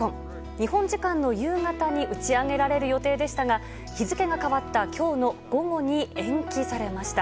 日本時間の夕方に打ち上げられる予定でしたが、日付が変わったきょうの午後に延期されました。